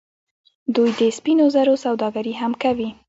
دوی د سپینو زرو سوداګري هم کوي.